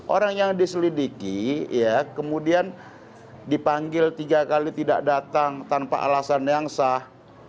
orang yang diselidiki ya kemudian dipanggil tiga kali tidak datang tanpa alasan yang sah